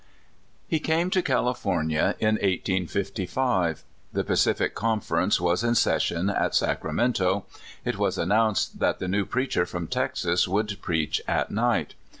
HE came to California in 1855. The Pacific Conference was in session at Sacramento. It was announced that the new preacher from Texas would preach at night.